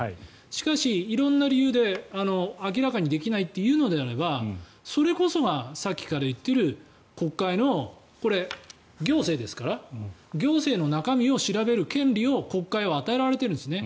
しかし、色んな理由で明らかにできないというのであればそれこそがさっきから言っている国会のこれ、行政ですから行政の中身を調べる権利を国会は与えられているんですね。